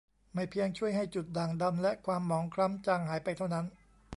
ไม่เพียงช่วยให้จุดด่างดำและความหมองคล้ำจางหายไปเท่านั้น